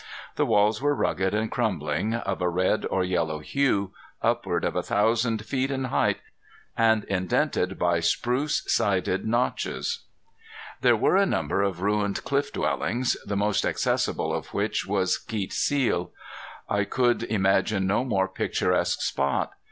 The walls were rugged and crumbling, of a red or yellow hue, upward of a thousand feet in height, and indented by spruce sided notches. There were a number of ruined cliff dwellings, the most accessible of which was Keet Seel. I could imagine no more picturesque spot.